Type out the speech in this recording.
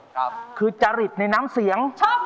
คือจริตในน้ำเสียง